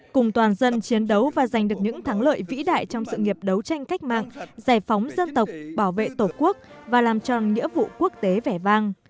cùng toàn dân chiến đấu và giành được những thắng lợi vĩ đại trong sự nghiệp đấu tranh cách mạng giải phóng dân tộc bảo vệ tổ quốc và làm tròn nghĩa vụ quốc tế vẻ vang